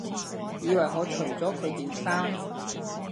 以為我除咗佢件衫